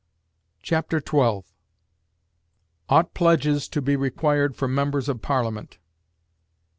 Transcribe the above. Chapter XII Ought Pledges to be Required from Members of Parliament?